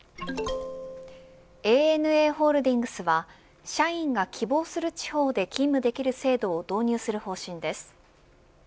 ＡＮＡホールディングスは社員が希望する地方で勤務できる制度を導入する方針です。